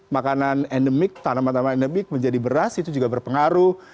makanan endemik tanaman tanaman endemik menjadi beras itu juga berpengaruh